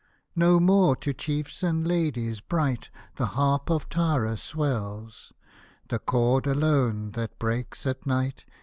No more to chiefs and ladies bright The harp of Tara swells ; The chord alone, that breaks at night.